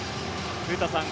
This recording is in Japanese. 古田さん